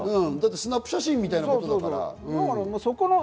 スナップ写真みたいなことだから。